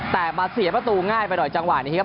แต่มาเสียประตูง่ายไปหน่อยจังหวะนี้ครับ